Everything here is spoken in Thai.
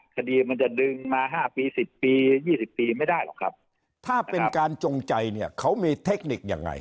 คดีมันจะดึงมา๕ปี๑๐ปี๒๐ปีไม่ได้หรอกครับถ้าเป็นการจงใจเนี่ยเขามีเทคนิคยังไง